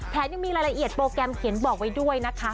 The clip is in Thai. ยังมีรายละเอียดโปรแกรมเขียนบอกไว้ด้วยนะคะ